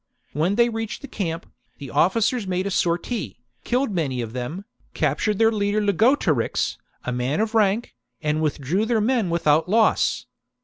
When they reached the camp, the officers made a sortie, killed many of them, captured their leader Lugotorix, a man of rank, and withdrew their men without loss.